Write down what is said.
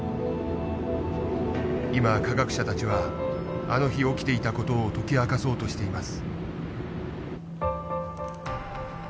今科学者たちはあの日起きていた事を解き明かそうとしています。